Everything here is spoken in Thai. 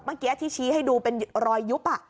เมื่อกี้ที่ชี้ให้ดูเป็นรอยยุบ